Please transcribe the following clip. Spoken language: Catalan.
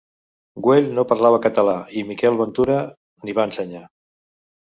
Güell no parlava català i Miquel Ventura n'hi va ensenyar.